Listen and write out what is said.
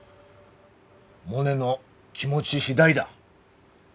モネの気持ち次第だ。